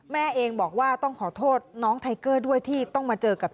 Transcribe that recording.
แม่เองบอกว่าต้องขอโทษน้องไทเกอร์ด้วยที่ต้องมาเจอกับ